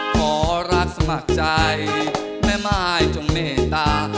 ขอรักสมัครใจแม่ม่ายจงเมตตา